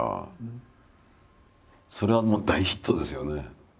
それはもう大ヒットですよね。